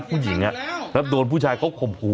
ผู้หญิงแล้วโดนผู้ชายเขา